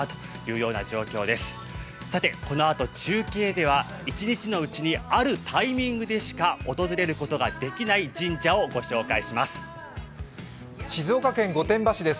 このあと中継では一日のうちにあるタイミングでしか訪れることができない神社をご紹介します。